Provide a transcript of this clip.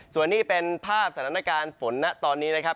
ส่วนนี้เป็นภาพสถานการณ์ฝนนะตอนนี้นะครับ